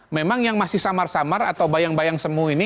memang yang masih samar samar atau bayang bayang semu ini